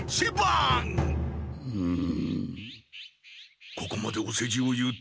うん？